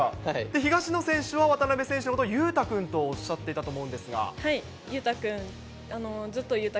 東野選手は渡辺選手のことを勇大君とおっしゃっていたと思うんではい、勇大君。